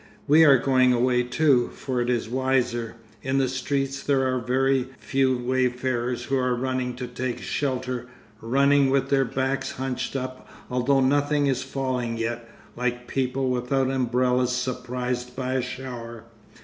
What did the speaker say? We are going away too, for it is wiser. In the streets there are a very few wayfarers who are running to take shelter, running with their backs hunched up, although nothing is falling yet, like people without umbrellas surprised by a shower.